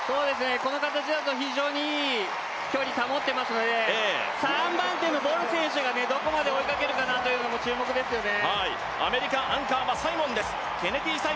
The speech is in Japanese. この形だと非常にいい距離保ってますので３番手のボル選手がどこまで追いかけるかなというのも注目ですよね。